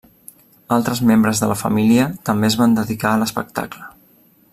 Altres membres de la família també es van dedicar a l'espectacle.